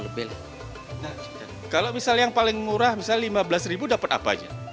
nah kalau misalnya yang paling murah misalnya lima belas ribu dapat apa aja